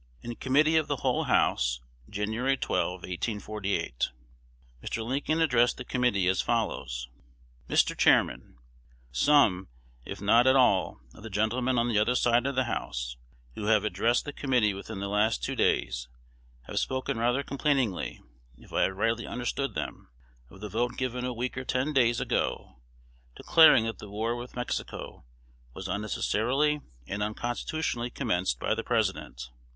In Committee of the Whole House, Jan. 12, 1848. Mr. Lincoln addressed the Committee as follows: Mr. Chairman, Some, if not at all, of the gentlemen on the other side of the House, who have addressed the Committee within the last two days, have spoken rather complainingly, if I have rightly understood them, of the vote given a week or ten days ago, declaring that the war with Mexico was unnecessarily and unconstitutionally commenced by the President.